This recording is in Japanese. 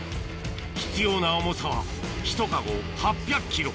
必要な重さはひとカゴ８００ｋｇ